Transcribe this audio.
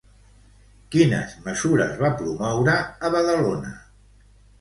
Quines mesures va promoure a Badalona?